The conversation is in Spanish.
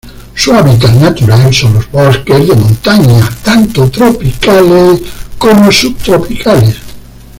Su hábitat natural son los bosques de montaña tanto tropicales como subtropicales.